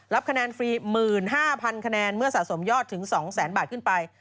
คะแนนฟรี๑๕๐๐คะแนนเมื่อสะสมยอดถึง๒๐๐๐บาทขึ้นไป